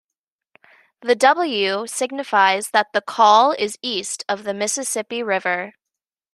The W signifies that the call is east of the Mississippi River.